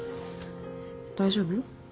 大丈夫？